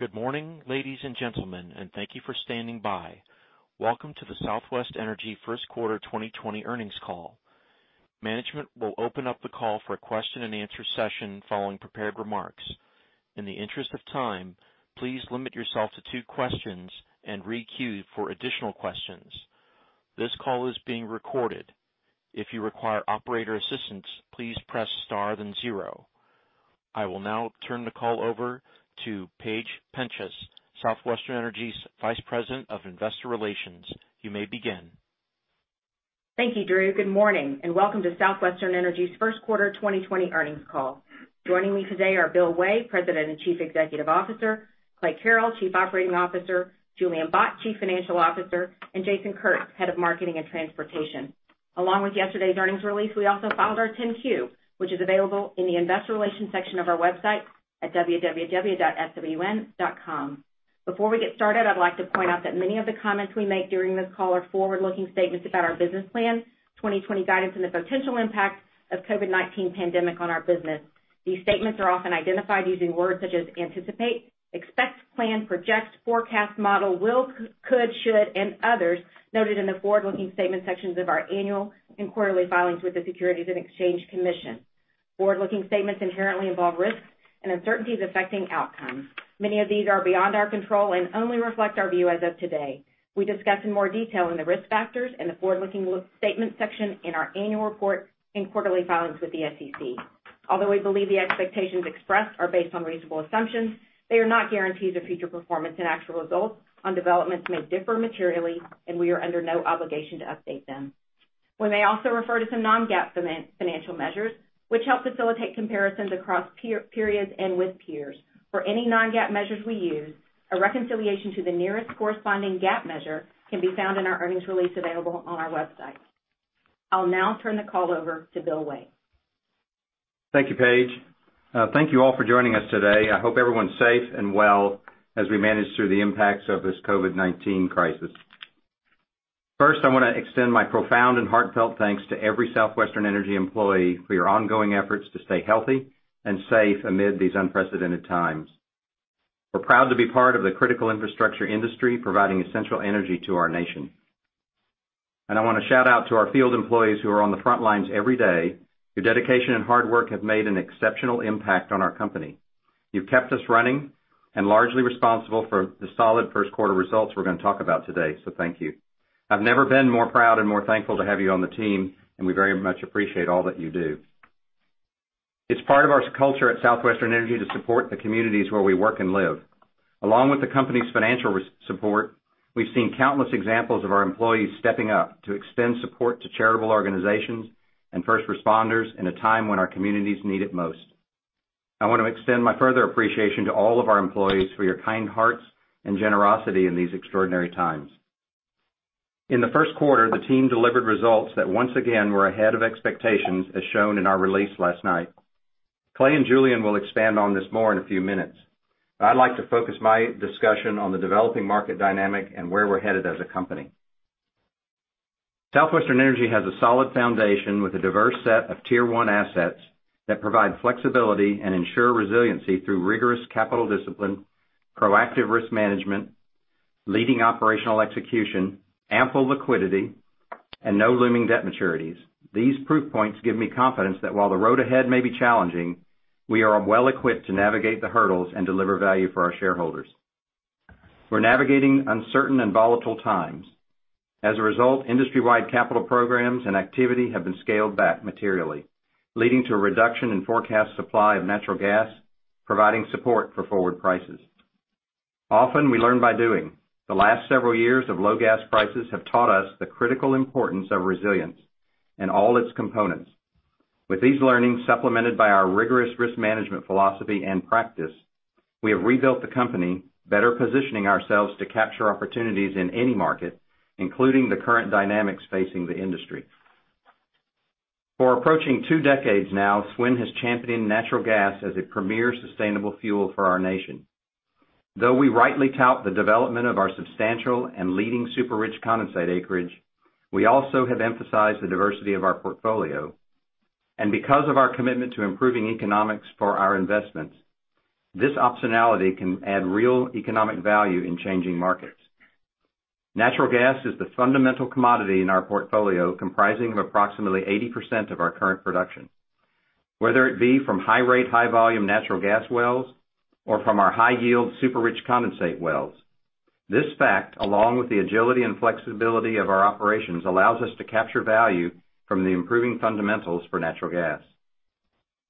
Good morning, ladies and gentlemen, and thank you for standing by. Welcome to the Southwestern Energy first quarter 2020 earnings call. Management will open up the call for a question and answer session following prepared remarks. In the interest of time, please limit yourself to two questions and re-queue for additional questions. This call is being recorded. If you require operator assistance, please press star then zero. I will now turn the call over to Paige Penchas, Southwestern Energy's Vice President of Investor Relations. You may begin. Thank you, Drew. Good morning, welcome to Southwestern Energy's first quarter 2020 earnings call. Joining me today are Bill Way, President and Chief Executive Officer, Clay Carrell, Chief Operating Officer, Julian Bott, Chief Financial Officer, and Jason Kurtz, Head of Marketing and Transportation. Along with yesterday's earnings release, we also filed our 10-Q, which is available in the investor relations section of our website at www.swn.com. Before we get started, I'd like to point out that many of the comments we make during this call are forward-looking statements about our business plan, 2020 guidance, and the potential impact of COVID-19 pandemic on our business. These statements are often identified using words such as anticipate, expect, plan, project, forecast, model, will, could, should, and others noted in the forward-looking statement sections of our annual and quarterly filings with the Securities and Exchange Commission. Forward-looking statements inherently involve risks and uncertainties affecting outcomes. Many of these are beyond our control and only reflect our view as of today. We discuss in more detail in the risk factors and the forward-looking statement section in our annual report and quarterly filings with the SEC. Although we believe the expectations expressed are based on reasonable assumptions, they are not guarantees of future performance, and actual results on developments may differ materially, and we are under no obligation to update them. We may also refer to some non-GAAP financial measures, which help facilitate comparisons across periods and with peers. For any non-GAAP measures we use, a reconciliation to the nearest corresponding GAAP measure can be found in our earnings release available on our website. I'll now turn the call over to Bill Way. Thank you, Paige. Thank you all for joining us today. I hope everyone's safe and well as we manage through the impacts of this COVID-19 crisis. First, I want to extend my profound and heartfelt thanks to every Southwestern Energy employee for your ongoing efforts to stay healthy and safe amid these unprecedented times. We're proud to be part of the critical infrastructure industry, providing essential energy to our nation. I want to shout out to our field employees who are on the front lines every day. Your dedication and hard work have made an exceptional impact on our company. You've kept us running and largely responsible for the solid first quarter results we're going to talk about today, thank you. I've never been more proud and more thankful to have you on the team, we very much appreciate all that you do. It's part of our culture at Southwestern Energy to support the communities where we work and live. Along with the company's financial support, we've seen countless examples of our employees stepping up to extend support to charitable organizations and first responders in a time when our communities need it most. I want to extend my further appreciation to all of our employees for your kind hearts and generosity in these extraordinary times. In the first quarter, the team delivered results that once again were ahead of expectations, as shown in our release last night. Clay and Julian will expand on this more in a few minutes. I'd like to focus my discussion on the developing market dynamic and where we're headed as a company. Southwestern Energy has a solid foundation with a diverse set of tier 1 assets that provide flexibility and ensure resiliency through rigorous capital discipline, proactive risk management, leading operational execution, ample liquidity, and no looming debt maturities. These proof points give me confidence that while the road ahead may be challenging, we are well equipped to navigate the hurdles and deliver value for our shareholders. We're navigating uncertain and volatile times. As a result, industry-wide capital programs and activity have been scaled back materially, leading to a reduction in forecast supply of natural gas, providing support for forward prices. Often, we learn by doing. The last several years of low gas prices have taught us the critical importance of resilience and all its components. With these learnings supplemented by our rigorous risk management philosophy and practice, we have rebuilt the company, better positioning ourselves to capture opportunities in any market, including the current dynamics facing the industry. For approaching two decades now, SWN has championed natural gas as a premier sustainable fuel for our nation. Though we rightly tout the development of our substantial and leading super rich condensate acreage, we also have emphasized the diversity of our portfolio. Because of our commitment to improving economics for our investments, this optionality can add real economic value in changing markets. Natural gas is the fundamental commodity in our portfolio, comprising of approximately 80% of our current production. Whether it be from high rate, high volume natural gas wells, or from our high-yield, super rich condensate wells. This fact, along with the agility and flexibility of our operations, allows us to capture value from the improving fundamentals for natural gas.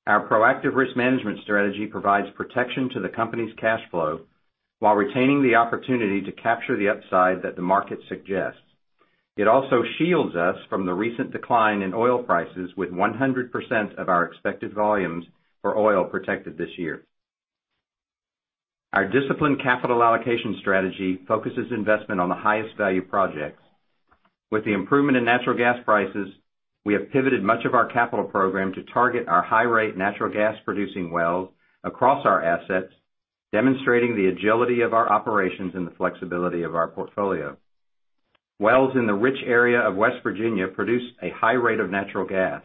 Our proactive risk management strategy provides protection to the company's cash flow while retaining the opportunity to capture the upside that the market suggests. It also shields us from the recent decline in oil prices, with 100% of our expected volumes for oil protected this year. Our disciplined capital allocation strategy focuses investment on the highest value projects. With the improvement in natural gas prices, we have pivoted much of our capital program to target our high rate natural gas-producing wells across our assets, demonstrating the agility of our operations and the flexibility of our portfolio. Wells in the rich area of West Virginia produce a high rate of natural gas.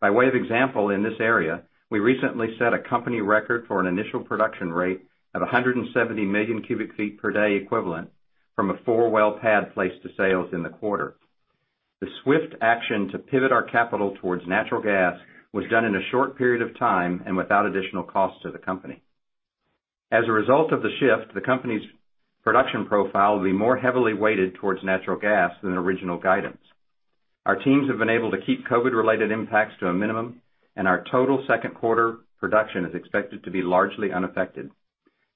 By way of example, in this area, we recently set a company record for an initial production rate of 170 million cubic feet per day equivalent from a four-well pad placed to sales in the quarter. The swift action to pivot our capital towards natural gas was done in a short period of time and without additional cost to the company. As a result of the shift, the company's production profile will be more heavily weighted towards natural gas than original guidance. Our teams have been able to keep COVID-related impacts to a minimum, and our total second quarter production is expected to be largely unaffected.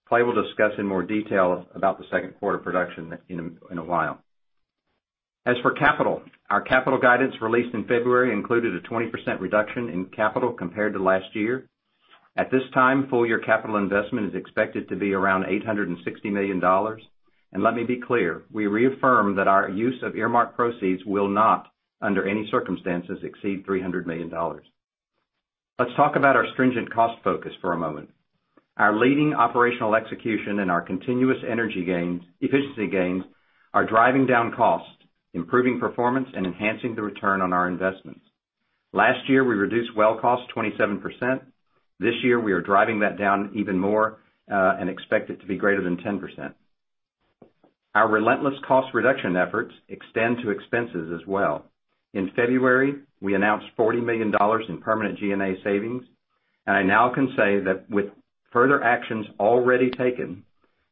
Clay will discuss in more detail about the second quarter production in a while. As for capital, our capital guidance released in February included a 20% reduction in capital compared to last year. At this time, full-year capital investment is expected to be around $860 million. Let me be clear, we reaffirm that our use of earmarked proceeds will not, under any circumstances, exceed $300 million. Let's talk about our stringent cost focus for a moment. Our leading operational execution and our continuous energy efficiency gains are driving down costs, improving performance, and enhancing the return on our investments. Last year, we reduced well costs 27%. This year, we are driving that down even more, and expect it to be greater than 10%. Our relentless cost reduction efforts extend to expenses as well. In February, we announced $40 million in permanent G&A savings, and I now can say that with further actions already taken,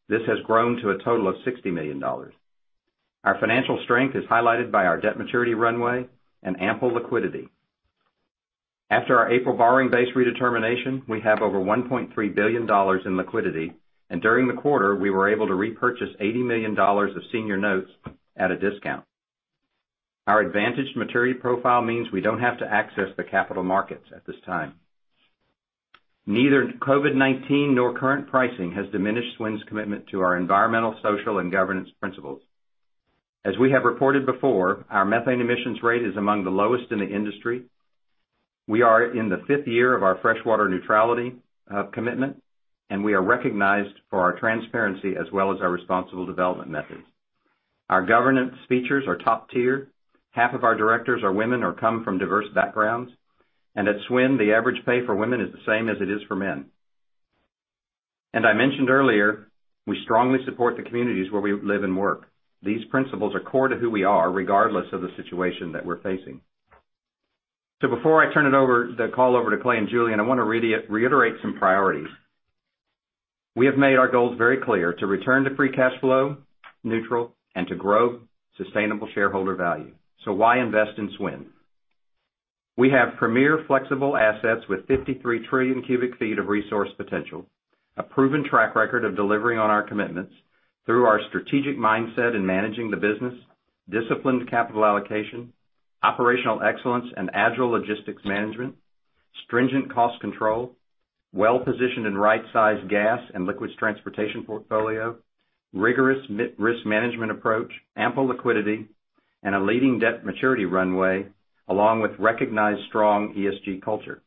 this has grown to a total of $60 million. Our financial strength is highlighted by our debt maturity runway and ample liquidity. After our April borrowing base redetermination, we have over $1.3 billion in liquidity, and during the quarter, we were able to repurchase $80 million of senior notes at a discount. Our advantaged maturity profile means we don't have to access the capital markets at this time. Neither COVID-19 nor current pricing has diminished SWN's commitment to our environmental, social, and governance principles. As we have reported before, our methane emissions rate is among the lowest in the industry. We are in the fifth year of our freshwater neutrality commitment, and we are recognized for our transparency as well as our responsible development methods. Our governance features are top tier. Half of our directors are women or come from diverse backgrounds. At SWN, the average pay for women is the same as it is for men. I mentioned earlier, we strongly support the communities where we live and work. These principles are core to who we are, regardless of the situation that we're facing. Before I turn the call over to Clay and Julian, I want to reiterate some priorities. We have made our goals very clear: to return to free cash flow neutral and to grow sustainable shareholder value. Why invest in SWN? We have premier flexible assets with 53 trillion cubic feet of resource potential, a proven track record of delivering on our commitments through our strategic mindset in managing the business, disciplined capital allocation, operational excellence and agile logistics management, stringent cost control, well-positioned and right-sized gas and liquids transportation portfolio, rigorous risk management approach, ample liquidity, and a leading debt maturity runway, along with recognized strong ESG culture.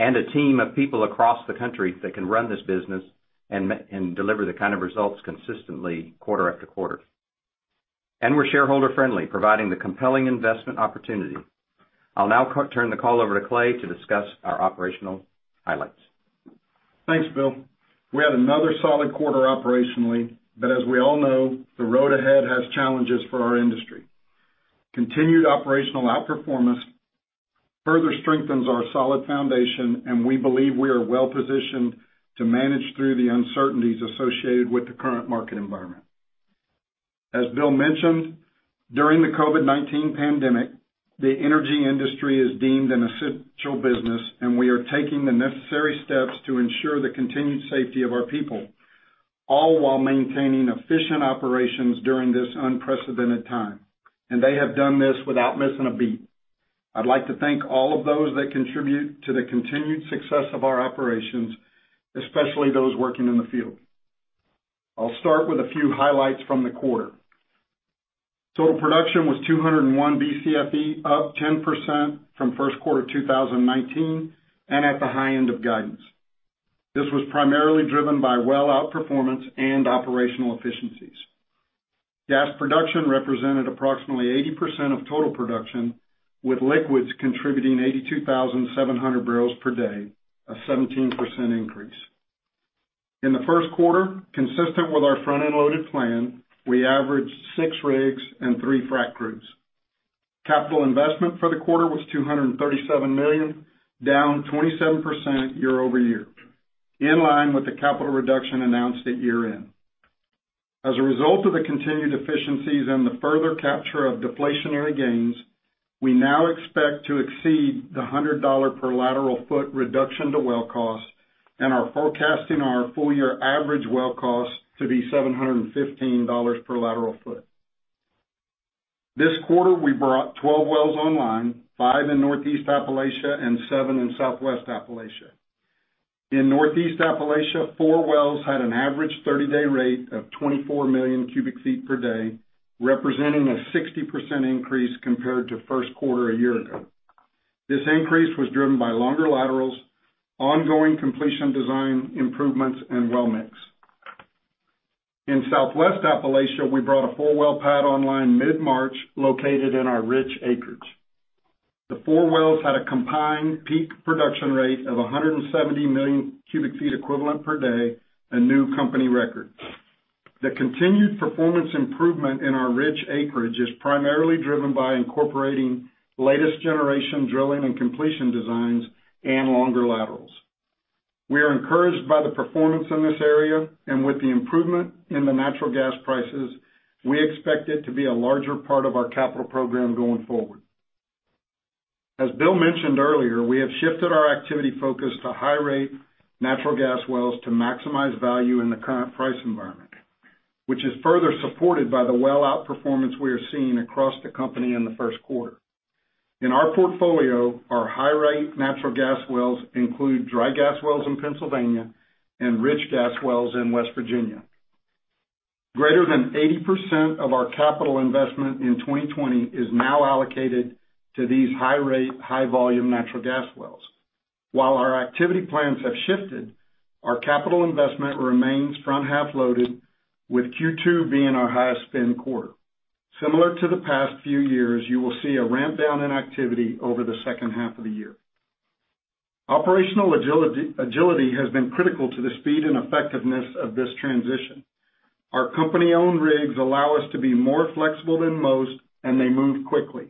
A team of people across the country that can run this business and deliver the kind of results consistently quarter after quarter. We're shareholder-friendly, providing the compelling investment opportunity. I'll now turn the call over to Clay to discuss our operational highlights. Thanks, Bill. We had another solid quarter operationally. As we all know, the road ahead has challenges for our industry. Continued operational outperformance further strengthens our solid foundation. We believe we are well-positioned to manage through the uncertainties associated with the current market environment. As Bill mentioned, during the COVID-19 pandemic, the energy industry is deemed an essential business. We are taking the necessary steps to ensure the continued safety of our people, all while maintaining efficient operations during this unprecedented time. They have done this without missing a beat. I'd like to thank all of those that contribute to the continued success of our operations, especially those working in the field. I'll start with a few highlights from the quarter. Total production was 201 BCFE, up 10% from first quarter 2019. At the high end of guidance. This was primarily driven by well outperformance and operational efficiencies. Gas production represented approximately 80% of total production, with liquids contributing 82,700 bbl per day, a 17% increase. In the first quarter, consistent with our front-end loaded plan, we averaged six rigs and three frac crews. Capital investment for the quarter was $237 million, down 27% year-over-year, in line with the capital reduction announced at year-end. As a result of the continued efficiencies and the further capture of deflationary gains, we now expect to exceed the $100 per lateral foot reduction to well cost and are forecasting our full-year average well cost to be $715 per lateral foot. This quarter, we brought 12 wells online, five in Northeast Appalachia and seven in Southwest Appalachia. In Northeast Appalachia, four wells had an average 30-day rate of 24 million cubic feet per day, representing a 60% increase compared to first quarter a year ago. This increase was driven by longer laterals, ongoing completion design improvements, and well mix. In Southwest Appalachia, we brought a four-well pad online mid-March located in our rich acreage. The four wells had a combined peak production rate of 170 million cubic feet equivalent per day, a new company record. The continued performance improvement in our rich acreage is primarily driven by incorporating latest-generation drilling and completion designs and longer laterals. We are encouraged by the performance in this area, and with the improvement in the natural gas prices, we expect it to be a larger part of our capital program going forward. As Bill mentioned earlier, we have shifted our activity focus to high-rate natural gas wells to maximize value in the current price environment, which is further supported by the well outperformance we are seeing across the company in the first quarter. In our portfolio, our high-rate natural gas wells include dry gas wells in Pennsylvania and rich gas wells in West Virginia. Greater than 80% of our capital investment in 2020 is now allocated to these high-rate, high-volume natural gas wells. While our activity plans have shifted, our capital investment remains front-half loaded, with Q2 being our highest spend quarter. Similar to the past few years, you will see a ramp-down in activity over the second half of the year. Operational agility has been critical to the speed and effectiveness of this transition. Our company-owned rigs allow us to be more flexible than most, and they move quickly.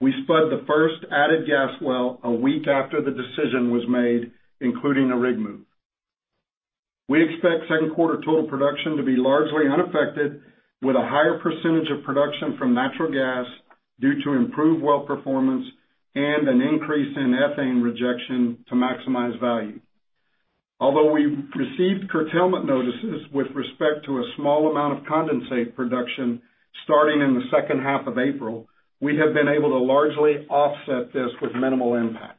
We spud the first nat gas well a week after the decision was made, including a rig move. We expect second quarter total production to be largely unaffected, with a higher percentage of production from natural gas due to improved well performance and an increase in ethane rejection to maximize value. Although we received curtailment notices with respect to a small amount of condensate production starting in the second half of April, we have been able to largely offset this with minimal impact.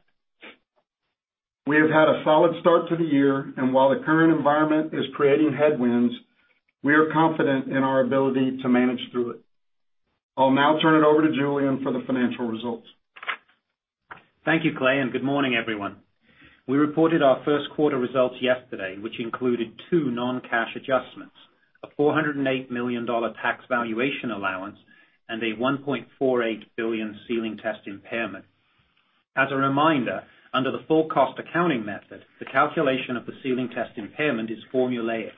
We have had a solid start to the year, and while the current environment is creating headwinds, we are confident in our ability to manage through it. I'll now turn it over to Julian for the financial results. Thank you, Clay, and good morning, everyone. We reported our first quarter results yesterday, which included two non-cash adjustments, a $408 million tax valuation allowance, and a $1.48 billion ceiling test impairment. As a reminder, under the full cost accounting method, the calculation of the ceiling test impairment is formulaic,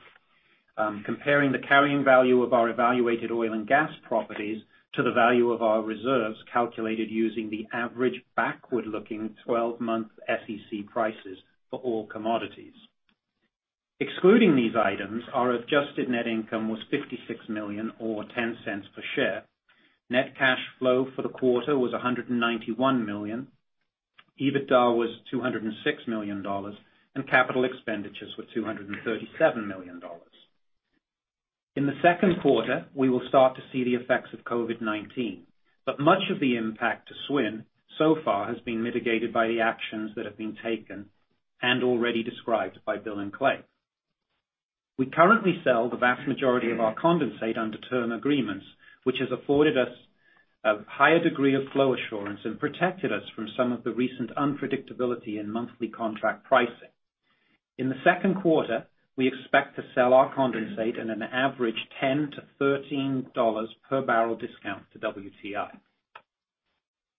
comparing the carrying value of our evaluated oil and gas properties to the value of our reserves calculated using the average backward-looking 12-month SEC prices for all commodities. Excluding these items, our adjusted net income was $56 million, or $0.10 per share. Net cash flow for the quarter was $191 million. EBITDA was $206 million, and capital expenditures were $237 million. In the second quarter, we will start to see the effects of COVID-19, but much of the impact to SWN so far has been mitigated by the actions that have been taken and already described by Bill and Clay. We currently sell the vast majority of our condensate under term agreements, which has afforded us a higher degree of flow assurance and protected us from some of the recent unpredictability in monthly contract pricing. In the second quarter, we expect to sell our condensate at an average $10-$13 per barrel discount to WTI.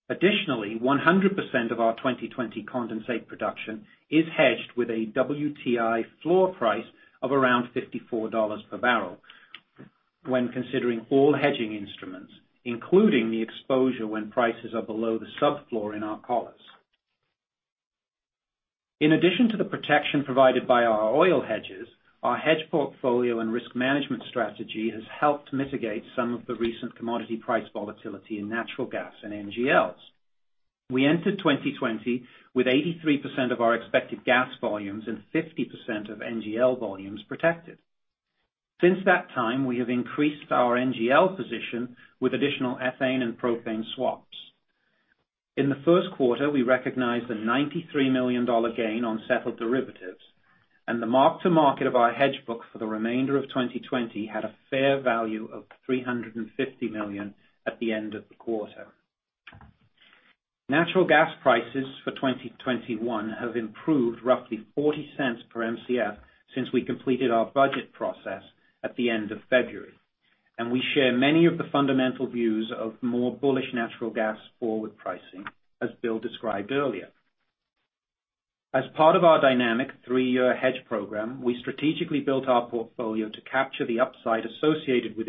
Additionally, 100% of our 2020 condensate production is hedged with a WTI floor price of around $54 per barrel when considering all hedging instruments, including the exposure when prices are below the sub-floor in our collars. In addition to the protection provided by our oil hedges, our hedge portfolio and risk management strategy has helped mitigate some of the recent commodity price volatility in natural gas and NGLs. We entered 2020 with 83% of our expected gas volumes and 50% of NGL volumes protected. Since that time, we have increased our NGL position with additional ethane and propane swaps. In the first quarter, we recognized a $93 million gain on settled derivatives. The mark-to-market of our hedge book for the remainder of 2020 had a fair value of $350 million at the end of the quarter. Natural gas prices for 2021 have improved roughly $0.40 per Mcf since we completed our budget process at the end of February. We share many of the fundamental views of more bullish natural gas forward pricing, as Bill described earlier. As part of our dynamic three-year hedge program, we strategically built our portfolio to capture the upside associated with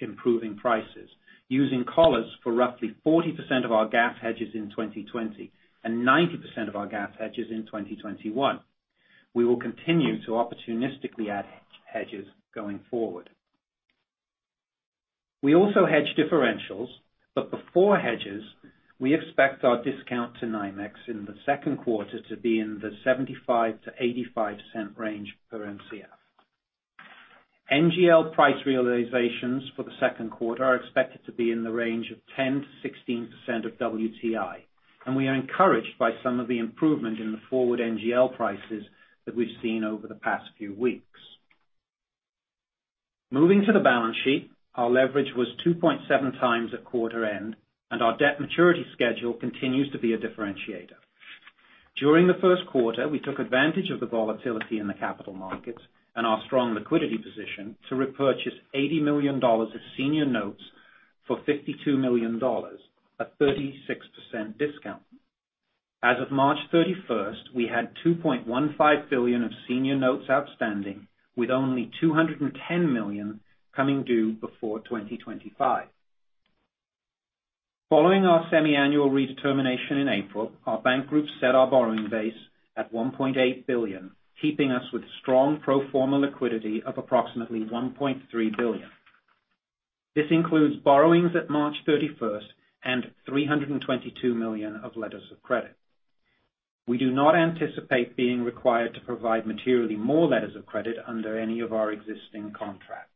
improving prices, using collars for roughly 40% of our gas hedges in 2020 and 90% of our gas hedges in 2021. We will continue to opportunistically add hedges going forward. We also hedge differentials, but before hedges, we expect our discount to NYMEX in the second quarter to be in the $0.75-$0.85 range per Mcf. NGL price realizations for the second quarter are expected to be in the range of 10%-16% of WTI, and we are encouraged by some of the improvement in the forward NGL prices that we've seen over the past few weeks. Moving to the balance sheet, our leverage was 2.7x at quarter end, and our debt maturity schedule continues to be a differentiator. During the first quarter, we took advantage of the volatility in the capital markets and our strong liquidity position to repurchase $80 million of senior notes for $52 million, a 36% discount. As of March 31st, we had $2.15 billion of senior notes outstanding, with only $210 million coming due before 2025. Following our semi-annual redetermination in April, our bank group set our borrowing base at $1.8 billion, keeping us with strong pro forma liquidity of approximately $1.3 billion. This includes borrowings at March 31st and $322 million of letters of credit. We do not anticipate being required to provide materially more letters of credit under any of our existing contracts.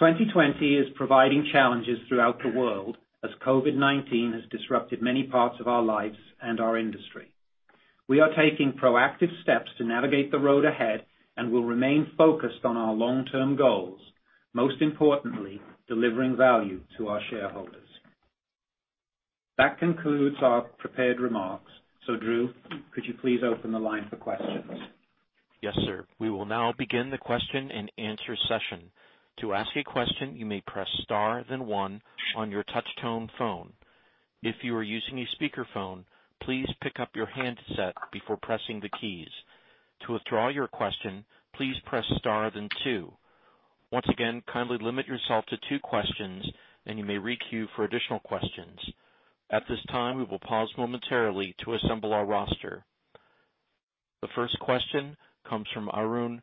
2020 is providing challenges throughout the world as COVID-19 has disrupted many parts of our lives and our industry. We are taking proactive steps to navigate the road ahead and will remain focused on our long-term goals, most importantly, delivering value to our shareholders. That concludes our prepared remarks. Drew, could you please open the line for questions? Yes, sir. We will now begin the question and answer session. To ask a question, you may press star then one on your touch-tone phone. If you are using a speakerphone, please pick up your handset before pressing the keys. To withdraw your question, please press star then two. Once again, kindly limit yourself to two questions, and you may re-queue for additional questions. At this time, we will pause momentarily to assemble our roster. The first question comes from Arun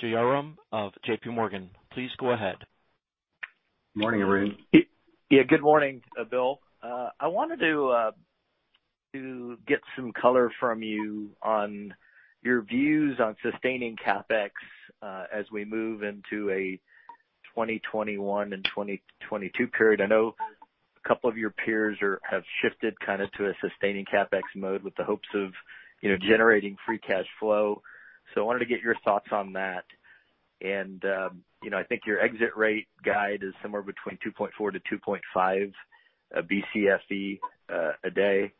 Jayaram of JPMorgan. Please go ahead. Morning, Arun. Yeah, good morning, Bill. I wanted to get some color from you on your views on sustaining CapEx as we move into a 2021 and 2022 period. I know a couple of your peers have shifted to a sustaining CapEx mode with the hopes of generating free cash flow. I wanted to get your thoughts on that. I think your exit rate guide is somewhere between 2.4-2.5 Bcfe a day.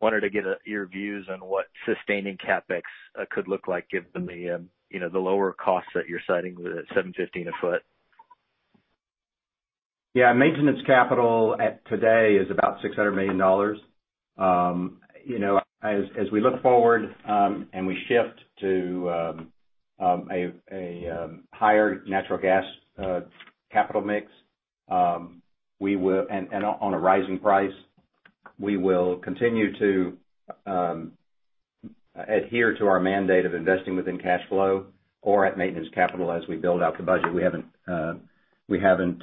Wanted to get your views on what sustaining CapEx could look like given the lower costs that you're citing with at $750 a foot. Yeah. Maintenance capital at today is about $600 million. As we look forward, and we shift to a higher natural gas capital mix, and on a rising price, we will continue to adhere to our mandate of investing within cash flow or at maintenance capital as we build out the budget. We haven't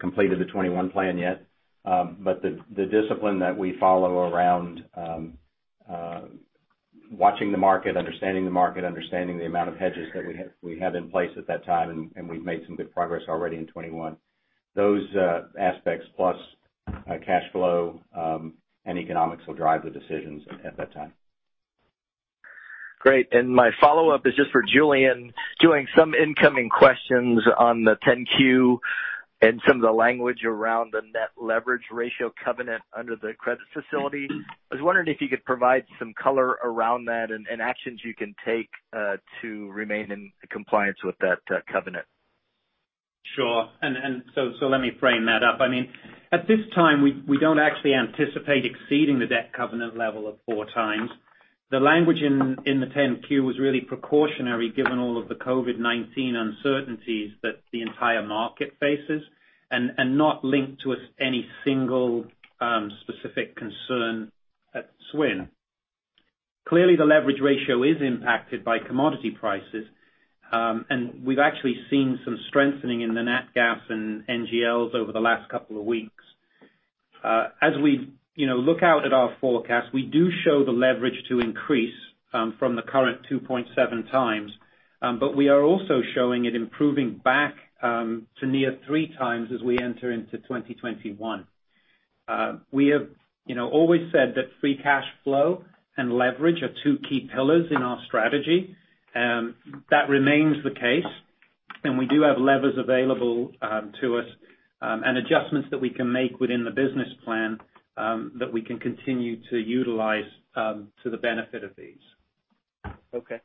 completed the 2021 plan yet. The discipline that we follow around watching the market, understanding the market, understanding the amount of hedges that we have in place at that time, and we've made some good progress already in 2021. Those aspects, plus cash flow, and economics will drive the decisions at that time. Great. My follow-up is just for Julian. Doing some incoming questions on the 10-Q and some of the language around the net leverage ratio covenant under the credit facility, I was wondering if you could provide some color around that and actions you can take to remain in compliance with that covenant? Sure. Let me frame that up. At this time, we don't actually anticipate exceeding the debt covenant level of four times. The language in the 10-Q was really precautionary, given all of the COVID-19 uncertainties that the entire market faces, and not linked to any single specific concern at SWN. Clearly, the leverage ratio is impacted by commodity prices. We've actually seen some strengthening in the Nat gas and NGLs over the last couple of weeks. As we look out at our forecast, we do show the leverage to increase from the current 2.7x. We are also showing it improving back to near three times as we enter into 2021. We have always said that free cash flow and leverage are two key pillars in our strategy. That remains the case, and we do have levers available to us, and adjustments that we can make within the business plan that we can continue to utilize to the benefit of these. Okay.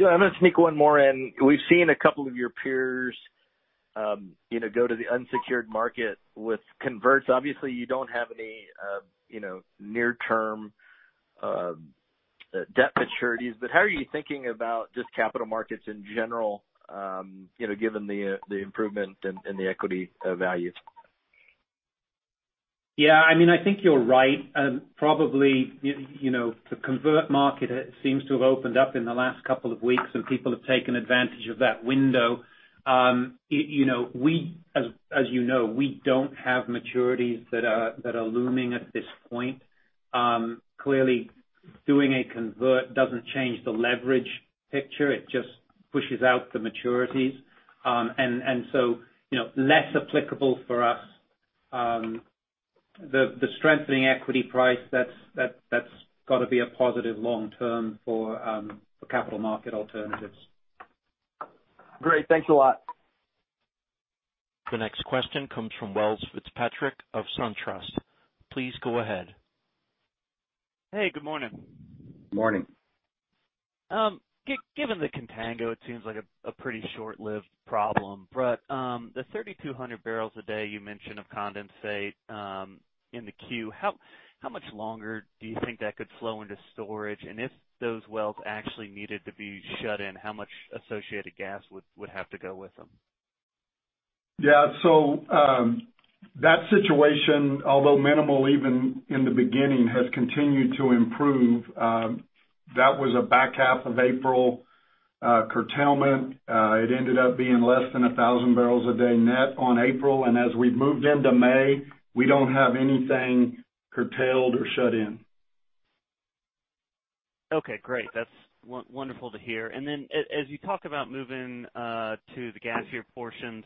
I'm going to sneak one more in. We've seen a couple of your peers go to the unsecured market with converts. Obviously, you don't have any near-term debt maturities, but how are you thinking about just capital markets in general given the improvement in the equity values? Yeah, I think you're right. Probably, the convert market seems to have opened up in the last couple of weeks, and people have taken advantage of that window. As you know, we don't have maturities that are looming at this point. Clearly, doing a convert doesn't change the leverage picture. It just pushes out the maturities. Less applicable for us. The strengthening equity price, that's got to be a positive long term for capital market alternatives. Great. Thanks a lot. The next question comes from Welles Fitzpatrick of SunTrust. Please go ahead. Hey, good morning. Morning. Given the contango, it seems like a pretty short-lived problem. The 3,200 bbl a day you mentioned of condensate in the queue, how much longer do you think that could flow into storage? If those wells actually needed to be shut in, how much associated gas would have to go with them? That situation, although minimal even in the beginning, has continued to improve. That was a back half of April curtailment. It ended up being less than 1,000 barrels a day net on April, and as we've moved into May, we don't have anything curtailed or shut in. Okay, great. That's wonderful to hear. As you talk about moving to the gassier portions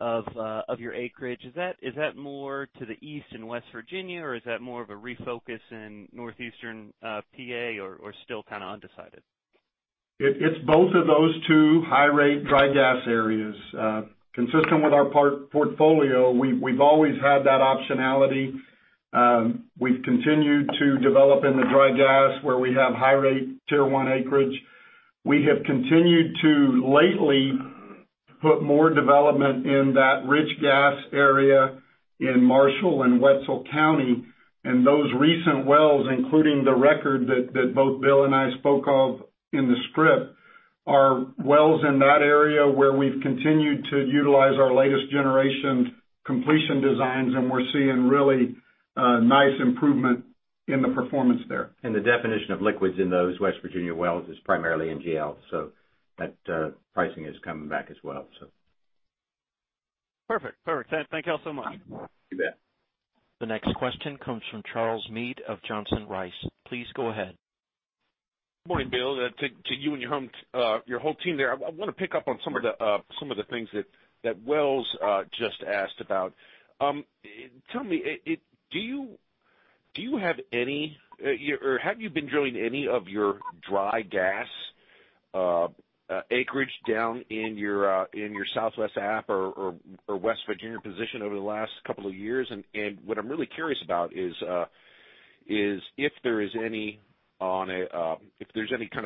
of your acreage, is that more to the East and West Virginia, or is that more of a refocus in northeastern PA, or still kind of undecided? It's both of those two high rate dry gas areas. Consistent with our portfolio, we've always had that optionality. We've continued to develop in the dry gas where we have high rate tier one acreage. We have continued to lately put more development in that rich gas area in Marshall and Wetzel County. Those recent wells, including the record that both Bill and I spoke of in the script, are wells in that area where we've continued to utilize our latest generation completion designs, and we're seeing really nice improvement in the performance there. The definition of liquids in those West Virginia wells is primarily NGL, so that pricing is coming back as well. Perfect. Thank you all so much. You bet. The next question comes from Charles Meade of Johnson Rice. Please go ahead. Good morning, Bill. To you and your whole team there. I want to pick up on some of the things that Wells just asked about. Tell me, have you been drilling any of your dry gas acreage down in your Southwest App or West Virginia position over the last couple of years? What I'm really curious about is if there's any kind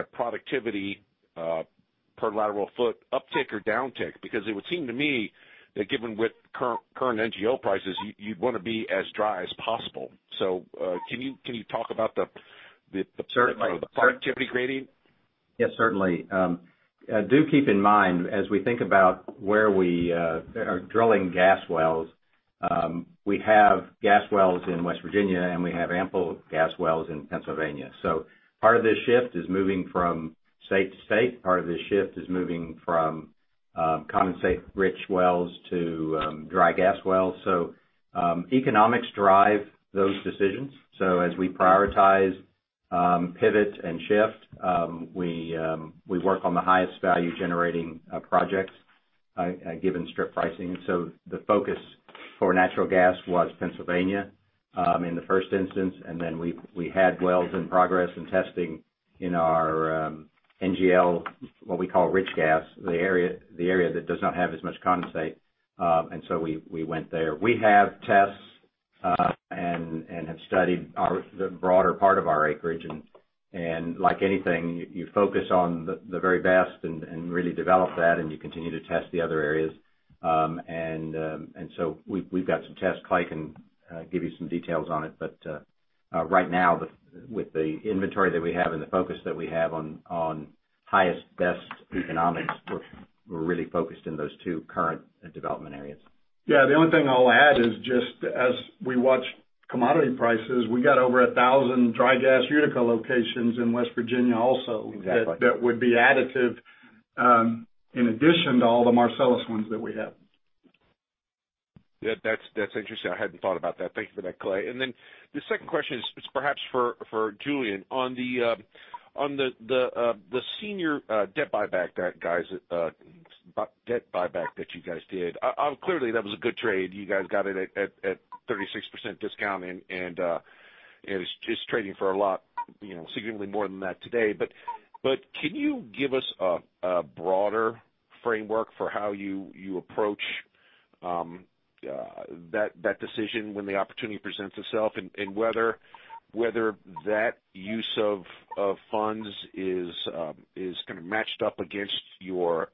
of productivity per lateral foot uptick or downtick, because it would seem to me that given with current NGL prices, you'd want to be as dry as possible. Can you talk about the productivity gradient? Yes, certainly. Do keep in mind, as we think about where we are drilling gas wells, we have gas wells in West Virginia, and we have ample gas wells in Pennsylvania. Part of this shift is moving from state to state. Part of this shift is moving from condensate-rich wells to dry gas wells. Economics drive those decisions. As we prioritize, pivot, and shift, we work on the highest value-generating projects given strip pricing. The focus for natural gas was Pennsylvania in the first instance, and then we had wells in progress and testing in our NGL, what we call rich gas, the area that does not have as much condensate. We went there. We have tests and have studied the broader part of our acreage. Like anything, you focus on the very best and really develop that, and you continue to test the other areas. We've got some tests. Clay can give you some details on it. Right now, with the inventory that we have and the focus that we have on highest, best economics, we're really focused in those two current development areas. Yeah. The only thing I'll add is just as we watch commodity prices, we got over 1,000 dry gas Utica locations in West Virginia also. Exactly that would be additive in addition to all the Marcellus ones that we have. Yeah, that's interesting. I hadn't thought about that. Thank you for that, Clay. The second question is perhaps for Julian. On the senior debt buyback that you guys did, clearly that was a good trade. You guys got it at 36% discount, and it's trading for a lot significantly more than that today. Can you give us a broader framework for how you approach that decision when the opportunity presents itself, and whether that use of funds is kind of matched up against your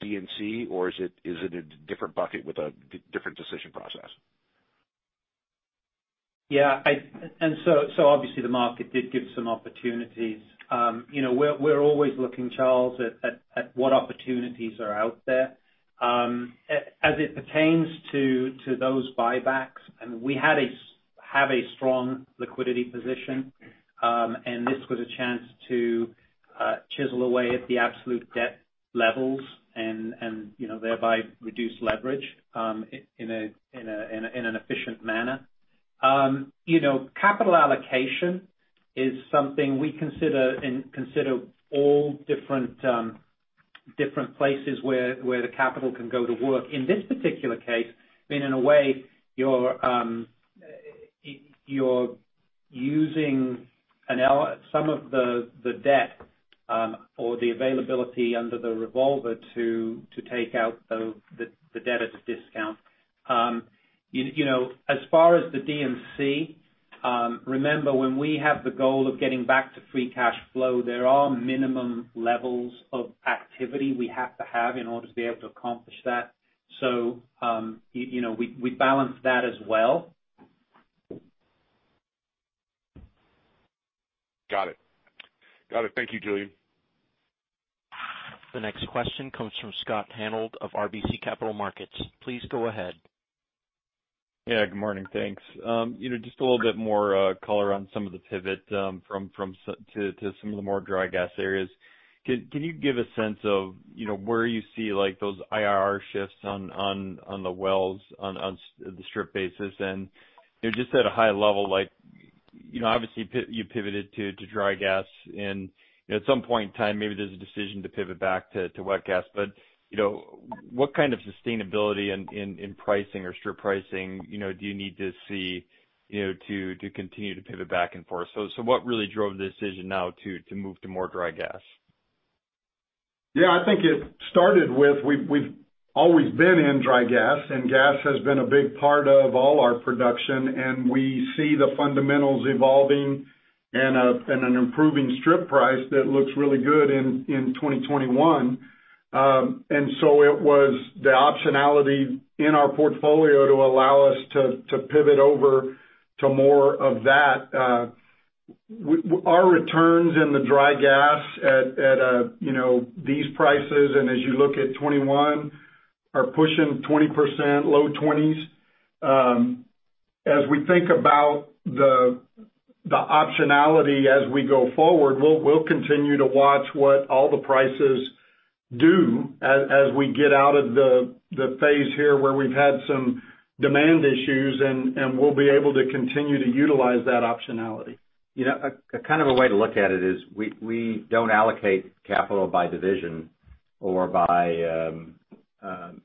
D&C, or is it a different bucket with a different decision process? Yeah. Obviously the market did give some opportunities. We're always looking, Charles, at what opportunities are out there. As it pertains to those buybacks, and we have a strong liquidity position. This was a chance to chisel away at the absolute debt levels, and thereby reduce leverage in an efficient manner. Capital allocation is something we consider in all different. Different places where the capital can go to work. In this particular case, in a way, you're using some of the debt or the availability under the revolver to take out the debt at a discount. As far as the D&C, remember when we have the goal of getting back to free cash flow, there are minimum levels of activity we have to have in order to be able to accomplish that. We balance that as well. Got it. Thank you, Julian. The next question comes from Scott Hanold of RBC Capital Markets. Please go ahead. Yeah, good morning. Thanks. Just a little bit more color on some of the pivot to some of the more dry gas areas. Can you give a sense of where you see those IRR shifts on the wells on the strip basis? Just at a high level, obviously you pivoted to dry gas and at some point in time, maybe there's a decision to pivot back to wet gas. What kind of sustainability in pricing or strip pricing do you need to see to continue to pivot back and forth? What really drove the decision now to move to more dry gas? Yeah, I think it started with, we've always been in dry gas. Gas has been a big part of all our production. We see the fundamentals evolving and an improving strip price that looks really good in 2021. It was the optionality in our portfolio to allow us to pivot over to more of that. Our returns in the dry gas at these prices, and as you look at 2021, are pushing 20%, low 20s. As we think about the optionality as we go forward, we'll continue to watch what all the prices do as we get out of the phase here where we've had some demand issues, and we'll be able to continue to utilize that optionality. A way to look at it is we don't allocate capital by division or by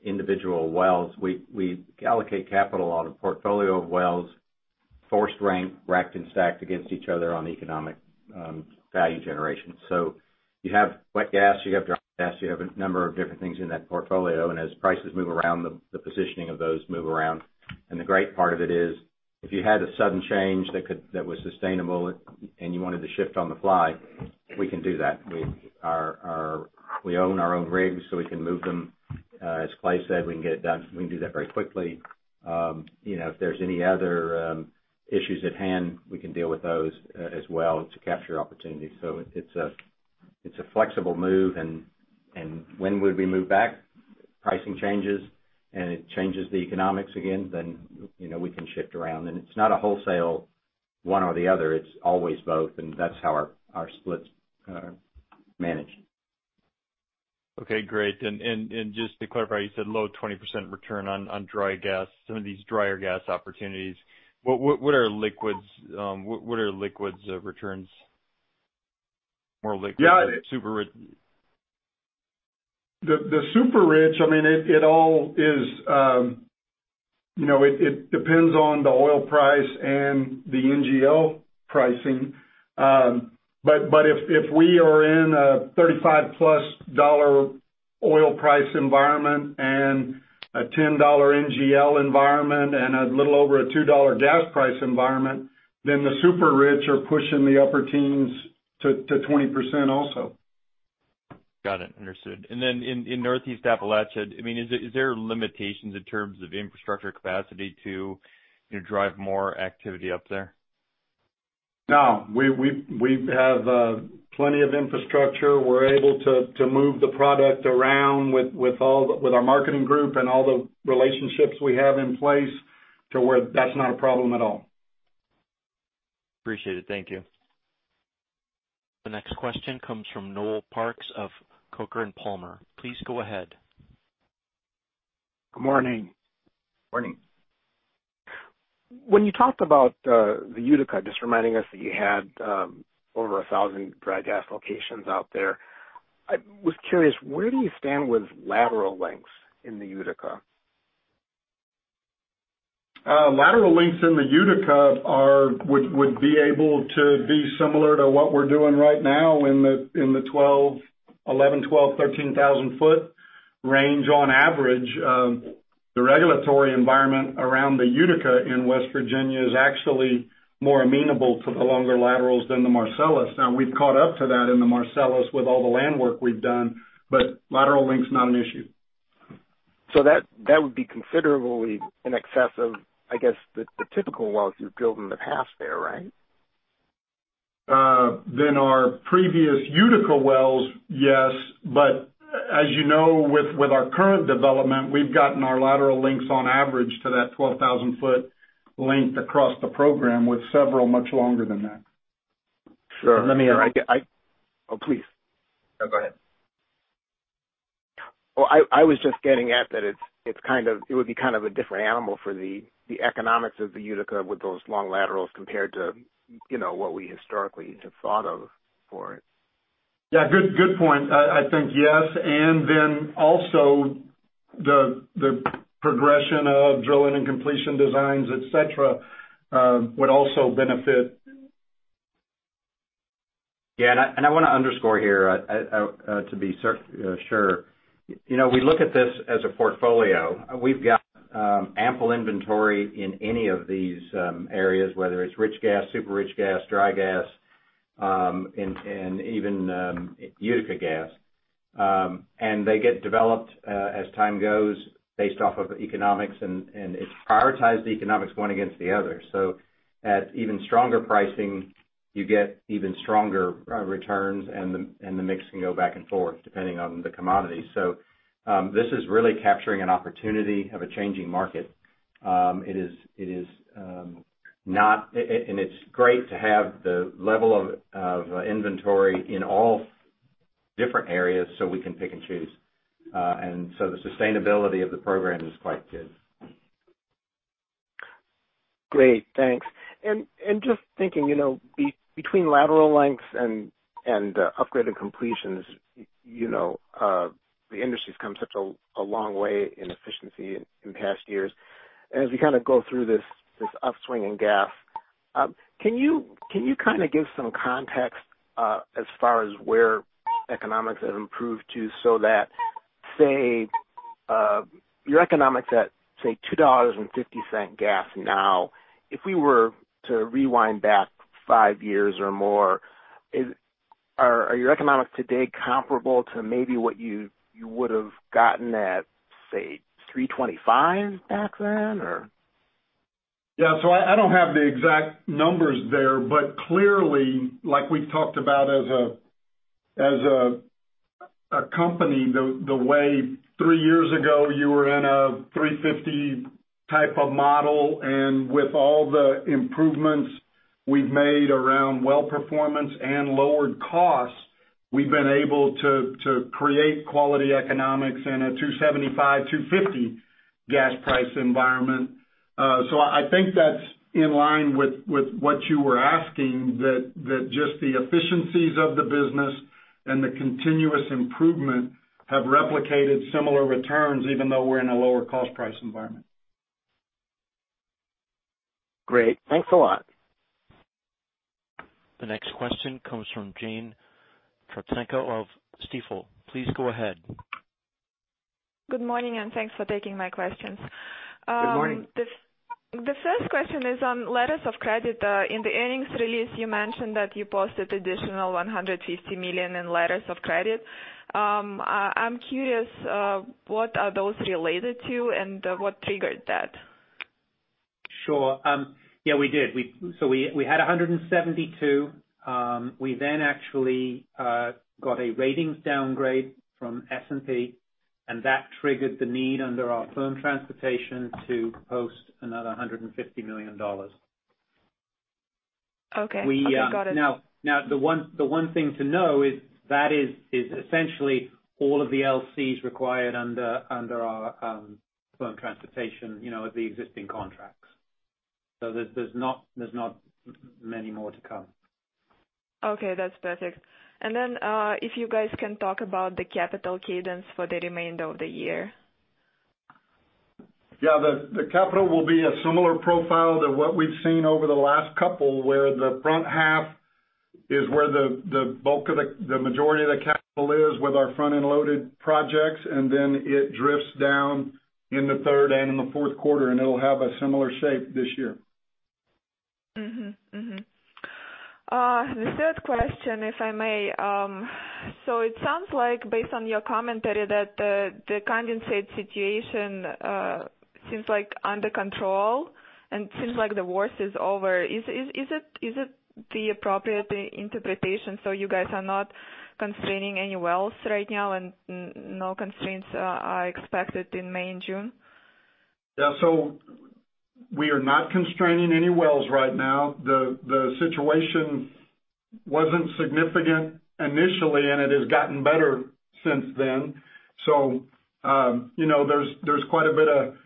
individual wells. We allocate capital on a portfolio of wells, force ranked, racked, and stacked against each other on economic value generation. You have wet gas, you have dry gas, you have a number of different things in that portfolio, and as prices move around, the positioning of those move around. The great part of it is, if you had a sudden change that was sustainable and you wanted to shift on the fly, we can do that. We own our own rigs so we can move them. As Clay said, we can do that very quickly. If there's any other issues at hand, we can deal with those as well to capture opportunities. It's a flexible move, and when would we move back? If pricing changes and it changes the economics again, then we can shift around. It's not a wholesale one or the other, it's always both, and that's how our splits are managed. Okay, great. Just to clarify, you said low 20% return on dry gas, some of these drier gas opportunities. What are liquids returns? More liquids than super rich? The super rich, it depends on the oil price and the NGL pricing. If we are in a $35 plus oil price environment and a $10 NGL environment and a little over a $2 gas price environment, then the super rich are pushing the upper teens to 20% also. Got it. Understood. In Northeast Appalachia, is there limitations in terms of infrastructure capacity to drive more activity up there? No. We have plenty of infrastructure. We're able to move the product around with our marketing group and all the relationships we have in place to where that's not a problem at all. Appreciate it. Thank you. The next question comes from Noel Parks of Coker & Palmer. Please go ahead. Good morning. Morning. When you talked about the Utica, just reminding us that you had over 1,000 dry gas locations out there. I was curious, where do you stand with lateral lengths in the Utica? Lateral lengths in the Utica would be able to be similar to what we're doing right now in the 11,000, 12,000, 13,000 ft range on average. The regulatory environment around the Utica in West Virginia is actually more amenable to the longer laterals than the Marcellus. We've caught up to that in the Marcellus with all the land work we've done, but lateral length's not an issue. That would be considerably in excess of, I guess, the typical wells you've built in the past there, right? Than our previous Utica wells, yes. As you know, with our current development, we've gotten our lateral lengths on average to that 12,000 ft length across the program, with several much longer than that. Sure. Oh, please. No, go ahead. I was just getting at that it would be kind of a different animal for the economics of the Utica with those long laterals compared to what we historically have thought of for it. Yeah. Good point. I think yes. Also, the progression of Drilling and Completion designs, et cetera, would also benefit. Yeah, I want to underscore here to be sure. We look at this as a portfolio. We've got ample inventory in any of these areas, whether it's rich gas, super rich gas, dry gas, and even Utica gas. They get developed as time goes based off of economics, and it's prioritized economics one against the other. At even stronger pricing, you get even stronger returns and the mix can go back and forth depending on the commodity. This is really capturing an opportunity of a changing market. It's great to have the level of inventory in all different areas so we can pick and choose. The sustainability of the program is quite good. Great. Thanks. Just thinking, between lateral lengths and upgraded completions, the industry's come such a long way in efficiency in past years. As we go through this upswing in gas, can you give some context as far as where economics have improved too, so that, say, your economics at, say, $2.50 gas now, if we were to rewind back five years or more, are your economics today comparable to maybe what you would've gotten at, say, $3.25 back then or? Yeah. I don't have the exact numbers there, but clearly, like we've talked about as a company, the way three years ago, you were in a $3.50 type of model, and with all the improvements we've made around well performance and lowered costs, we've been able to create quality economics in a $2.75, $2.50 gas price environment. I think that's in line with what you were asking, that just the efficiencies of the business and the continuous improvement have replicated similar returns even though we're in a lower cost price environment. Great. Thanks a lot. The next question comes from Jane Trotsenko of Stifel. Please go ahead. Good morning, and thanks for taking my questions. Good morning. The first question is on letters of credit. In the earnings release, you mentioned that you posted additional $150 million in letters of credit. I'm curious, what are those related to and what triggered that? Sure. Yeah, we did. We had $172. We then actually got a ratings downgrade from S&P, and that triggered the need under our firm transportation to post another $150 million. Okay. Copy. Got it. The one thing to know is that is essentially all of the LCs required under our firm transportation with the existing contracts. There's not many more to come. Okay, that's perfect. If you guys can talk about the capital cadence for the remainder of the year. Yeah. The capital will be a similar profile to what we've seen over the last couple, where the front half is where the majority of the capital is with our front-end loaded projects, and then it drifts down in the third and in the fourth quarter, and it'll have a similar shape this year. The third question, if I may. It sounds like based on your commentary that the condensate situation seems like under control and seems like the worst is over. Is it the appropriate interpretation, so you guys are not constraining any wells right now, and no constraints are expected in May and June? Yeah. We are not constraining any wells right now. The situation wasn't significant initially, and it has gotten better since then. There's quite a bit of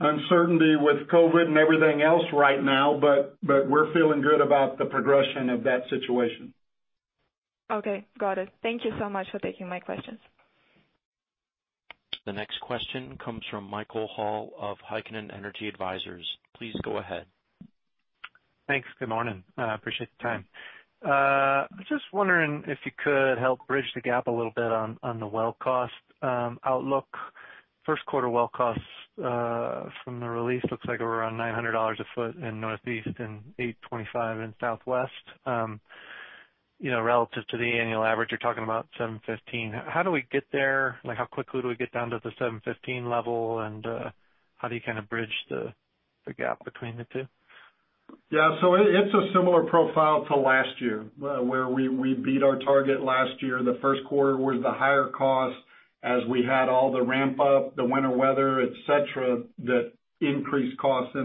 uncertainty with COVID and everything else right now, but we're feeling good about the progression of that situation. Okay. Got it. Thank you so much for taking my questions. The next question comes from Michael Hall of Heikkinen Energy Advisors. Please go ahead. Thanks. Good morning. I appreciate the time. Just wondering if you could help bridge the gap a little bit on the well cost outlook. First quarter well costs, from the release, looks like around $900 a foot in Northeast and $825 in Southwest. Relative to the annual average, you're talking about $715. How do we get there? How quickly do we get down to the $715 level, and how do you kind of bridge the gap between the two? It's a similar profile to last year, where we beat our target last year. The first quarter was the higher cost as we had all the ramp up, the winter weather, et cetera, that increased costs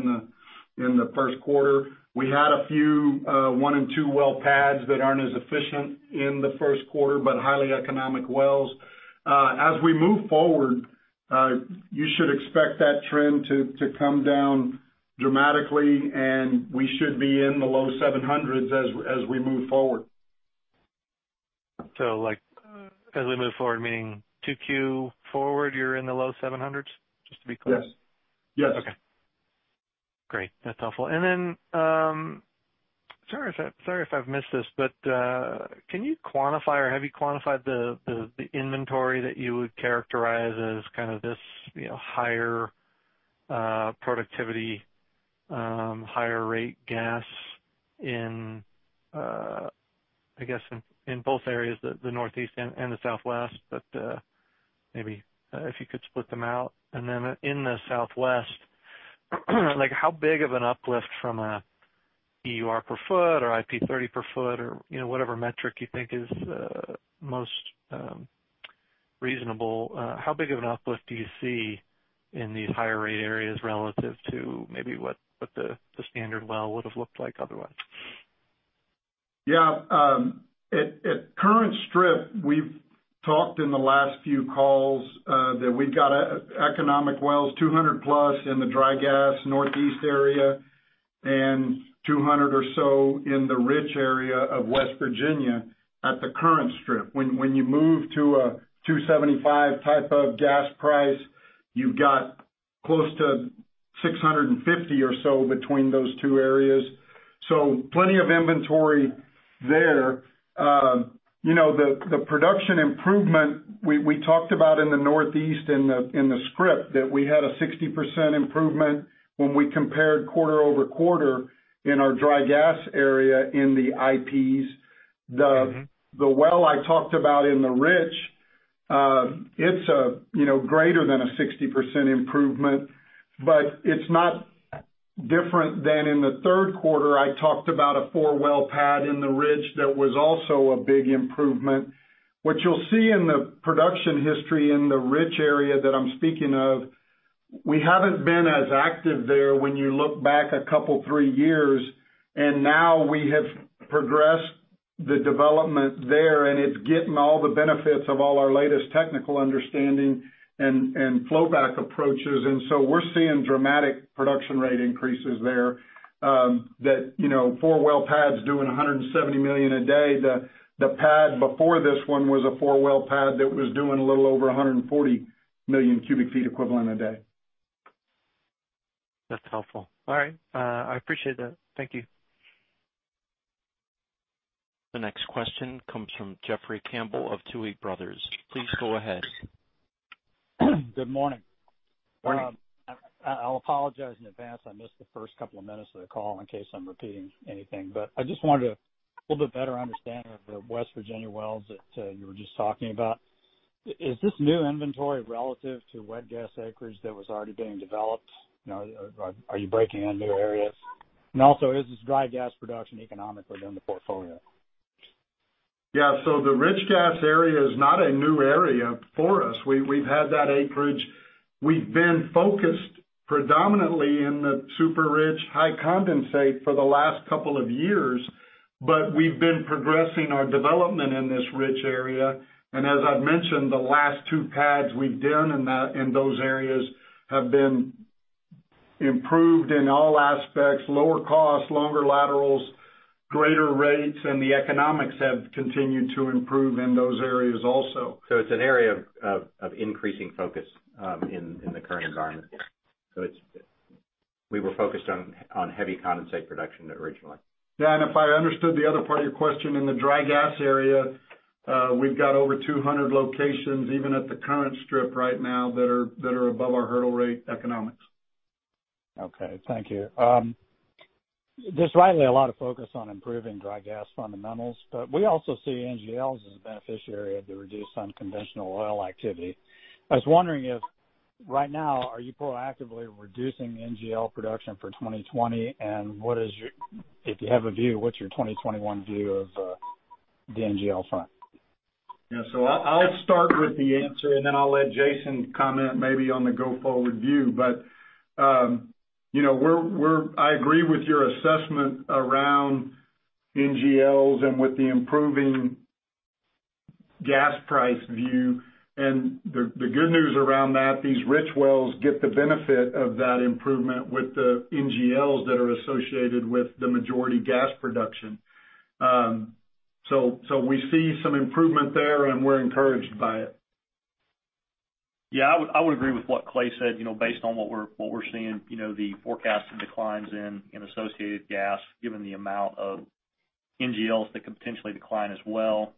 in the first quarter. We had a few one and two well pads that aren't as efficient in the first quarter, but highly economic wells. As we move forward, you should expect that trend to come down dramatically, and we should be in the low 700s as we move forward. As we move forward, meaning 2Q forward, you're in the low 700s? Just to be clear. Yes. Okay, great. That's helpful. Then, sorry if I've missed this, but can you quantify or have you quantified the inventory that you would characterize as this higher productivity, higher rate gas in both areas, the Northeast and the Southwest? Maybe if you could split them out. Then in the Southwest, how big of an uplift from a euro per foot or IP30 per foot or whatever metric you think is most reasonable, how big of an uplift do you see in these higher rate areas relative to maybe what the standard well would've looked like otherwise? At current strip, we've talked in the last few calls that we've got economic wells, 200+ in the dry gas Northeast area and 200 or so in the Rich area of West Virginia at the current strip. When you move to a 275 type of gas price, you've got close to 650 or so between those two areas. Plenty of inventory there. The production improvement we talked about in the Northeast in the script that we had a 60% improvement when we compared quarter-over-quarter in our dry gas area in the IPs. The well I talked about in the Rich, it's greater than a 60% improvement, but it's not different than in the third quarter I talked about a 4-well pad in the Rich that was also a big improvement. What you'll see in the production history in the Rich area that I'm speaking of, we haven't been as active there when you look back a couple, three years. Now we have progressed the development there. It's getting all the benefits of all our latest technical understanding and flow back approaches. We're seeing dramatic production rate increases there that four well pads doing 170 million cubic feet equivalent a day. The pad before this one was a four well pad that was doing a little over 140 million cubic feet equivalent a day. That's helpful. All right. I appreciate that. Thank you. The next question comes from Jeffrey Campbell of Tuohy Brothers. Please go ahead. Good morning. Morning. I'll apologize in advance. I missed the first couple of minutes of the call in case I'm repeating anything, but I just wanted a little bit better understanding of the West Virginia wells that you were just talking about. Is this new inventory relative to wet gas acreage that was already being developed? Are you breaking into new areas? Also, is this dry gas production economically in the portfolio? Yeah. The rich gas area is not a new area for us. We've had that acreage. We've been focused predominantly in the super rich high condensate for the last couple of years, but we've been progressing our development in this rich area. As I've mentioned, the last two pads we've done in those areas have been improved in all aspects, lower cost, longer laterals, greater rates, and the economics have continued to improve in those areas also. It's an area of increasing focus in the current environment. We were focused on heavy condensate production originally. Yeah. If I understood the other part of your question, in the dry gas area, we've got over 200 locations, even at the current strip right now that are above our hurdle rate economics. Okay. Thank you. There's rightly a lot of focus on improving dry gas fundamentals. We also see NGLs as a beneficiary of the reduced unconventional oil activity. I was wondering if right now, are you proactively reducing NGL production for 2020, and if you have a view, what's your 2021 view of the NGL front? Yeah. I'll start with the answer, and then I'll let Jason comment maybe on the go forward view. I agree with your assessment around NGLs and with the improving gas price view, and the good news around that, these Rich wells get the benefit of that improvement with the NGLs that are associated with the majority gas production. We see some improvement there, and we're encouraged by it. Yeah. I would agree with what Clay said. Based on what we're seeing, the forecasted declines in associated gas, given the amount of NGLs that could potentially decline as well.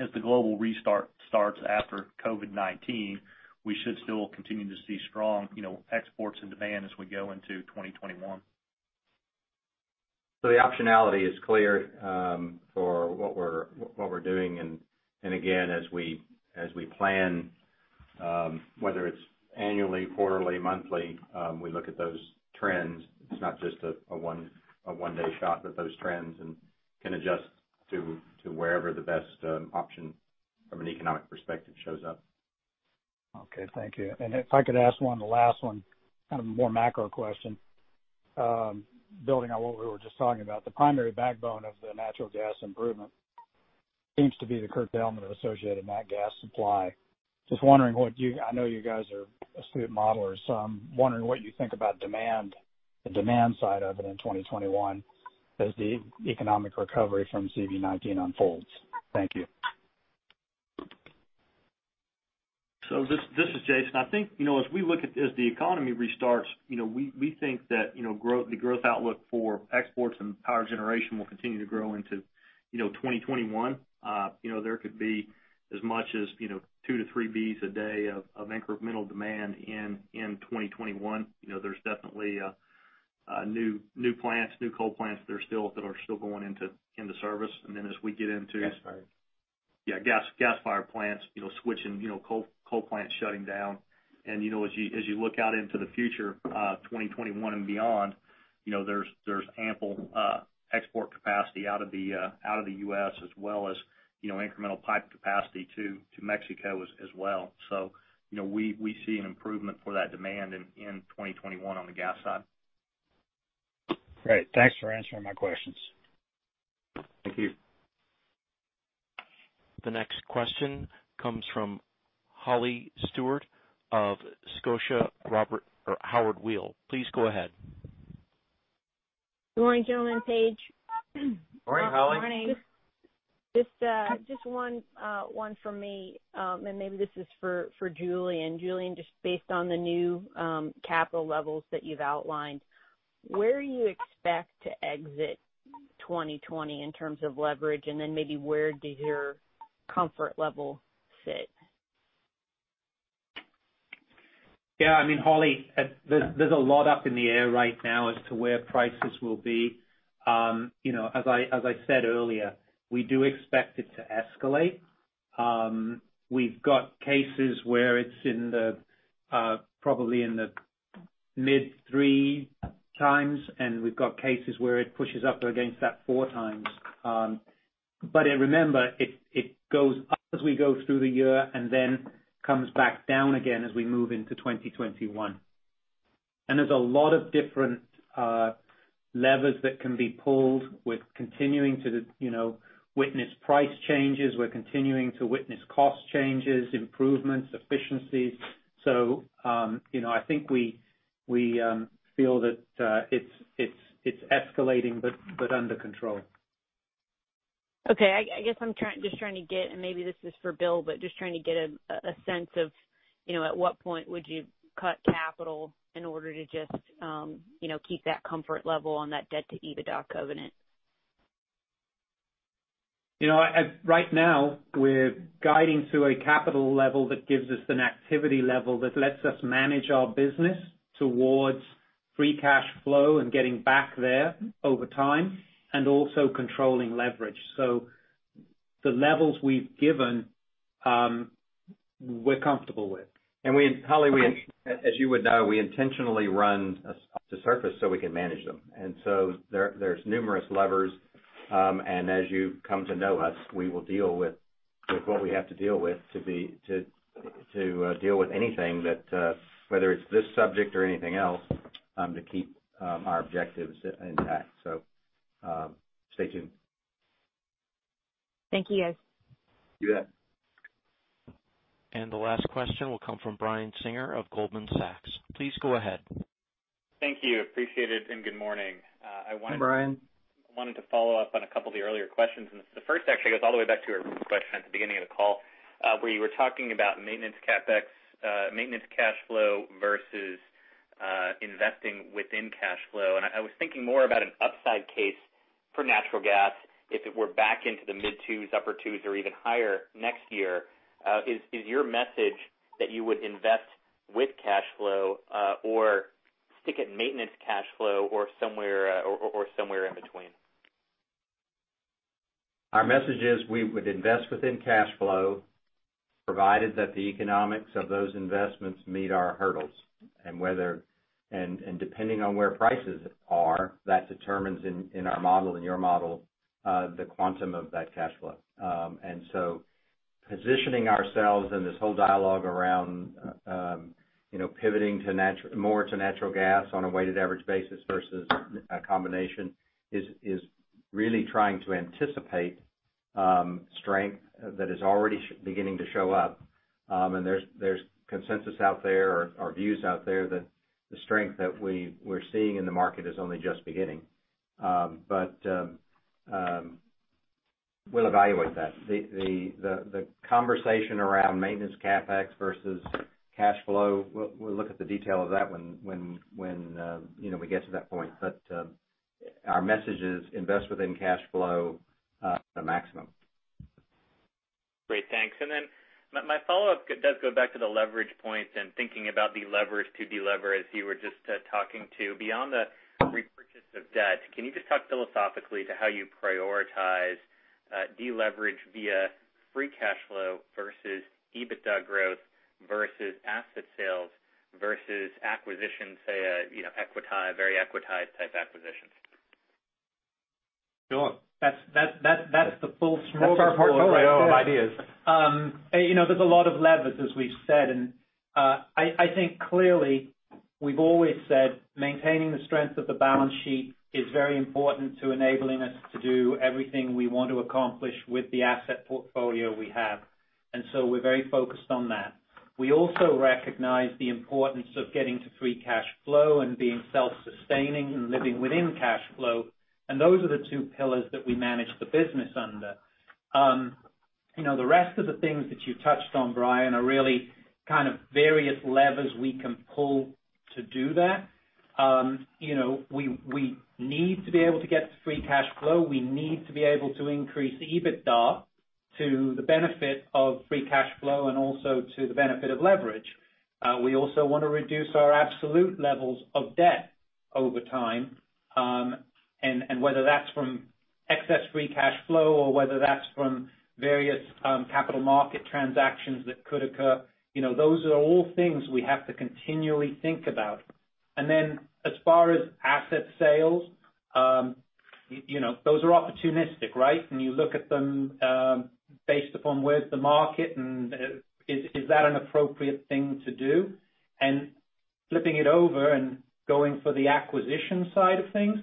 As the global restart starts after COVID-19, we should still continue to see strong exports and demand as we go into 2021. The optionality is clear for what we're doing, and again, as we plan, whether it's annually, quarterly, monthly, we look at those trends. It's not just a one-day shot, but those trends can adjust to wherever the best option from an economic perspective shows up. Okay. Thank you. If I could ask one, the last one, kind of more macro question. Building on what we were just talking about, the primary backbone of the natural gas improvement seems to be the curve element associated in that gas supply. I know you guys are astute modelers. I'm wondering what you think about the demand side of it in 2021 as the economic recovery from COVID-19 unfolds. Thank you. This is Jason. I think, as we look at as the economy restarts, we think that the growth outlook for exports and power generation will continue to grow into 2021. There could be as much as two to three Bs a day of incremental demand in 2021. There's definitely new plants, new coal plants that are still going into service. Gas fire. Yeah. Gas fire plants switching, coal plants shutting down. As you look out into the future, 2021 and beyond, there's ample export capacity out of the U.S. as well as incremental pipe capacity to Mexico as well. We see an improvement for that demand in 2021 on the gas side. Great. Thanks for answering my questions. Thank you. The next question comes from Holly Stewart of Scotiabank Howard Weil. Please go ahead. Good morning, gentlemen, Paige. Morning, Holly. Good morning. Just one from me, maybe this is for Julian. Julian, just based on the new capital levels that you've outlined, where do you expect to exit 2020 in terms of leverage, then maybe where does your comfort level sit? Yeah, I mean, Holly, there's a lot up in the air right now as to where prices will be. As I said earlier, we do expect it to escalate. We've got cases where it's probably in the mid three times, and we've got cases where it pushes up against that four times. Remember, it goes up as we go through the year and then comes back down again as we move into 2021. There's a lot of different levers that can be pulled. We're continuing to witness price changes. We're continuing to witness cost changes, improvements, efficiencies. I think we feel that it's escalating, but under control. Okay. I guess I'm just trying to get, and maybe this is for Bill, but just trying to get a sense of at what point would you cut capital in order to just keep that comfort level on that debt to EBITDA covenant? Right now, we're guiding to a capital level that gives us an activity level that lets us manage our business towards free cash flow and getting back there over time, and also controlling leverage. The levels we've given, we're comfortable with. Holly, as you would know, we intentionally run a surface so we can manage them. So there's numerous levers. As you come to know us, we will deal with what we have to deal with to deal with anything that, whether it's this subject or anything else, to keep our objectives intact. Stay tuned. Thank you, guys. You bet. The last question will come from Brian Singer of Goldman Sachs. Please go ahead. Thank you. Appreciate it, and good morning. Hi, Brian. I wanted to follow up on a couple of the earlier questions. The first actually goes all the way back to your question at the beginning of the call, where you were talking about maintenance CapEx, maintenance cash flow versus investing within cash flow. I was thinking more about an upside case for natural gas if it were back into the mid twos, upper twos, or even higher next year. Is your message that you would invest with cash flow or stick at maintenance cash flow or somewhere in between? Our message is we would invest within cash flow provided that the economics of those investments meet our hurdles. Depending on where prices are, that determines in our model, in your model, the quantum of that cash flow. Positioning ourselves and this whole dialogue around pivoting more to natural gas on a weighted average basis versus a combination is really trying to anticipate strength that is already beginning to show up. There's consensus out there or views out there that the strength that we're seeing in the market is only just beginning. We'll evaluate that. The conversation around maintenance CapEx versus cash flow, we'll look at the detail of that when we get to that point. Our message is invest within cash flow a maximum. Great. Thanks. Then my follow-up does go back to the leverage point and thinking about de-leverage to delever, as you were just talking to. Beyond the repurchase of debt, can you just talk philosophically to how you prioritize de-leverage via free cash flow versus EBITDA growth, versus asset sales, versus acquisition, say a very equitized type acquisition? Sure. That's the full smorgasbord right there. That's our portfolio of ideas. There's a lot of levers, as we've said. I think clearly we've always said maintaining the strength of the balance sheet is very important to enabling us to do everything we want to accomplish with the asset portfolio we have. We're very focused on that. We also recognize the importance of getting to free cash flow and being self-sustaining and living within cash flow. Those are the two pillars that we manage the business under. The rest of the things that you touched on, Brian, are really kind of various levers we can pull to do that. We need to be able to get to free cash flow. We need to be able to increase the EBITDA to the benefit of free cash flow and also to the benefit of leverage. We also want to reduce our absolute levels of debt over time. Whether that's from excess free cash flow or whether that's from various capital market transactions that could occur, those are all things we have to continually think about. As far as asset sales, those are opportunistic, right? You look at them based upon where's the market and is that an appropriate thing to do? Flipping it over and going for the acquisition side of things,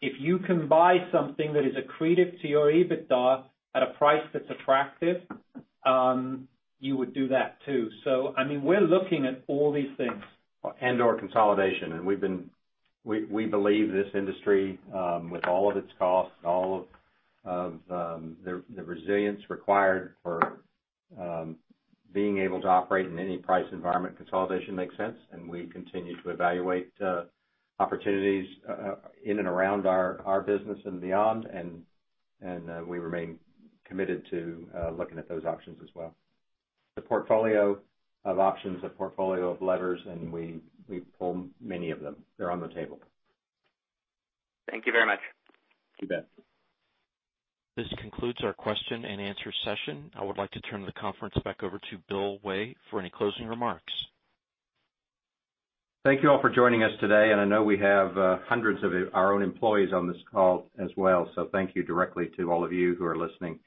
if you can buy something that is accretive to your EBITDA at a price that's attractive, you would do that too. We're looking at all these things. Or consolidation. We believe this industry with all of its costs and all of the resilience required for being able to operate in any price environment, consolidation makes sense, and we continue to evaluate opportunities in and around our business and beyond. We remain committed to looking at those options as well. It's a portfolio of options, a portfolio of levers, and we pull many of them. They're on the table. Thank you very much. You bet. This concludes our question and answer session. I would like to turn the conference back over to Bill Way for any closing remarks. Thank you all for joining us today, and I know we have hundreds of our own employees on this call as well, so thank you directly to all of you who are listening.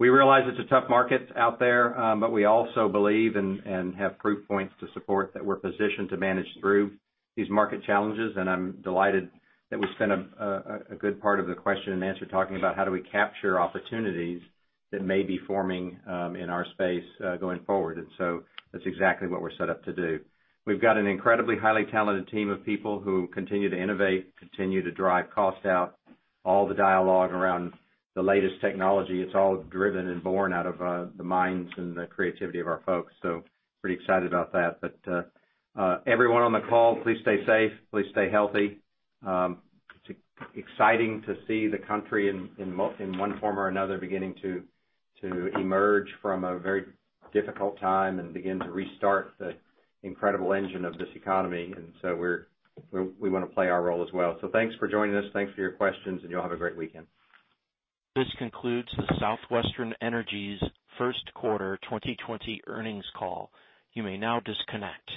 We realize it's a tough market out there, but we also believe and have proof points to support that we're positioned to manage through these market challenges. I'm delighted that we spent a good part of the question and answer talking about how do we capture opportunities that may be forming in our space going forward. That's exactly what we're set up to do. We've got an incredibly highly talented team of people who continue to innovate, continue to drive cost out. All the dialogue around the latest technology, it's all driven and born out of the minds and the creativity of our folks. Pretty excited about that. Everyone on the call, please stay safe. Please stay healthy. It's exciting to see the country in one form or another, beginning to emerge from a very difficult time and begin to restart the incredible engine of this economy. We want to play our role as well. Thanks for joining us. Thanks for your questions, and you all have a great weekend. This concludes the Southwestern Energy's first quarter 2020 earnings call. You may now disconnect.